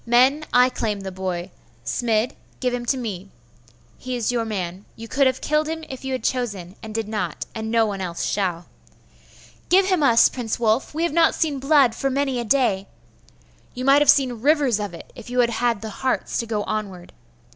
Men, I claim the boy. Smid, give him to me. He is your man. You could have killed him if you had chosen, and did not; and no one else shall.' 'Give him us, Prince Wulf! We have not seen blood for many a day!' 'You might have seen rivers of it, if you had had the hearts to go onward.